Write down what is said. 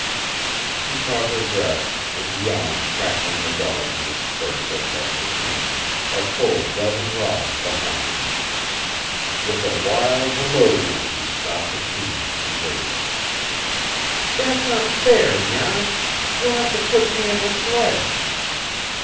She caught her breath, and Jan cracked on the dogs in a spurt that left her panting, a full dozen rods behind him. With a wild halloo he stopped the team, and waited. "That's unfair, Jan! You'll have to put me on the sledge."